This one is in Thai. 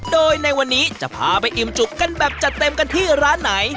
โดยในวันนี้จะพาไปอิ่มจุกกันแบบจัดเต็มกันที่ร้านไหน